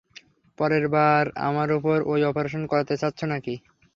পরেরবার আমার উপর ঐ অপারেশন করাতে চাচ্ছ নাকি?